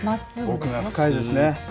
奥が深いですね。